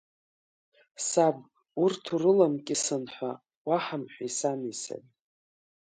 Саб, урҭ урыламкьысын ҳәа уаҳамҳәеи сани сареи!